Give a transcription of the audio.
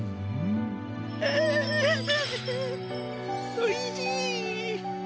おいしい。